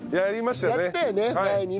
やりましたね。